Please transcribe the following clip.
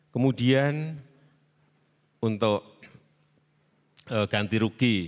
kemudian untuk ganti rugi